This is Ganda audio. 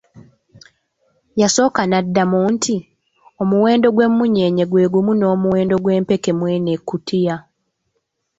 Yasooka naddamu nti, omuwendo gw'emunyeenye gwe gumu n'omuwendo gw'empeke mweno ekkutiya.